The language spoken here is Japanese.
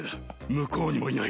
向こうにもいない。